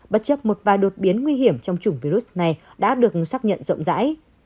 bất chấp một vài đột biến nguy hiểm trong chủng virus này đã được xác nhận rộng rãi